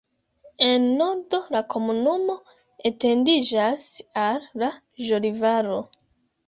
En nordo la komunumo etendiĝas al la Joli-Valo.